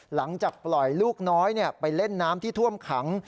หลังจากปล่อยลูกน้อยไปเล่นน้ำที่ท่วมขัง